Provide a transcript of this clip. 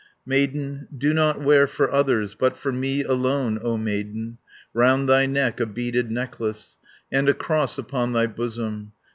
"Maiden, do not wear for others, But for me alone, O maiden, Round thy neck a beaded necklace, And a cross upon thy bosom.